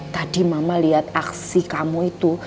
tadi mama lihat aksi kamu itu